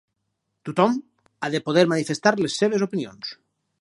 Tothom ha de poder manifestar les seves opinions.